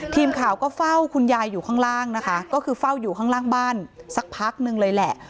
ทีมข่าวก็เฝ้าคุณยายอยู่ข้างล่างนะคะก็คือเฝ้าอยู่ข้างล่างบ้านสักพักนึงเลยแหละ